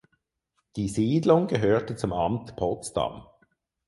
Die Siedlung gehörte zum Amt Potsdam.